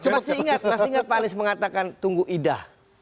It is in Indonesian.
masih ingat pak anies mengatakan tunggu ida